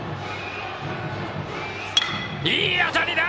いい当たりだ！